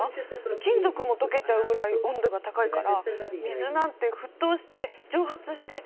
金属も溶けちゃうぐらい温度が高いから水なんて沸騰して蒸発してなくなっちゃう！